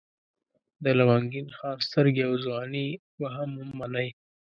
د لونګین خان سترګې او ځواني به هم منئ.